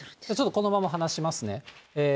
このまま話しますね。